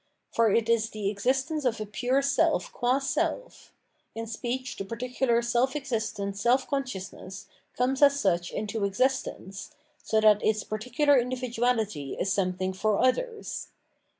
For it is the existence of a pure self qua self ; in speech the particular self existent self consciousness comes as such into existence, so that its particular individuality is something for others.